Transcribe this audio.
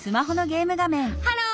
ハロー！